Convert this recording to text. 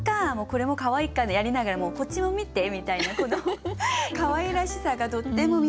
これもかわいいかってやりながらこっちも見てみたいなこのかわいらしさがとっても魅力的だなって思いました。